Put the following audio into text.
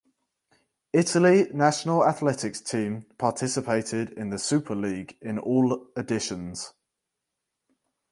Italy national athletics team participated in the Super League in all editions.